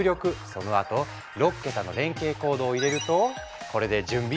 そのあと６桁の連携コードを入れるとこれで準備ＯＫ！